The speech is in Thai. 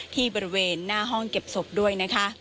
ที่บริเวณหน้าห้องเก็บศพด้วยนะคะ